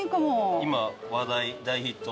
今話題大ヒット。